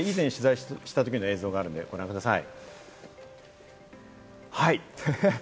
以前、取材したときの映像があるんでご覧ください。